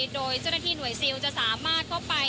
โดยเจ้าหน้าที่หน่วยซิลจะสามารถเข้าไป